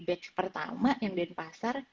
batch pertama yang di pasar